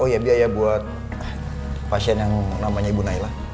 oh iya biaya buat pasien yang namanya ibu nailah